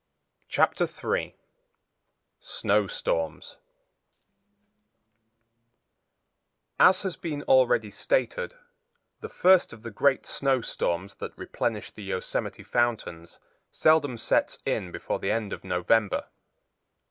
Chapter 3 Snow Storms As has been already stated, the first of the great snow storms that replenish the Yosemite fountains seldom sets in before the end of November.